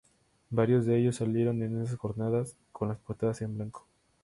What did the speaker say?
Varios de ellos salieron en esas jornadas con las portadas en blanco.